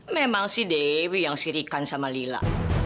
memang si dewi yang sirikan sama lila